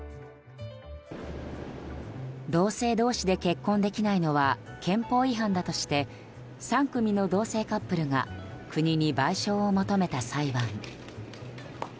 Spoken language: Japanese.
同性同士で結婚できないのは憲法違反だとして３組の同性カップルが国に賠償を求めた裁判。